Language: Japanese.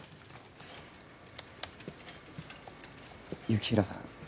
雪平さん